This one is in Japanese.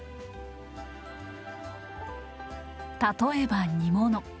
例えば煮物。